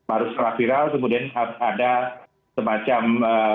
baru setelah viral kemudian ada semacam